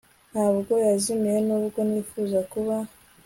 ntabwo yazimiye, nubwo nifuza kuba